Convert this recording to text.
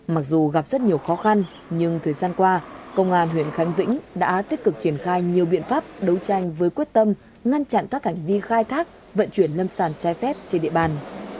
mặc dù gặp rất nhiều khó khăn nhưng thời gian qua công an huyện khánh vĩnh đã tích cực triển khai nhiều biện pháp đấu tranh với quyết tâm ngăn chặn các hành vi khai thác vận chuyển lâm sản trái phép trên địa bàn